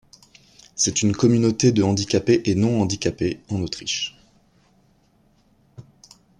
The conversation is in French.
C'est une communauté de handicapés et non-handicapés en Autriche.